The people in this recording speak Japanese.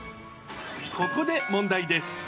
ここで問題です。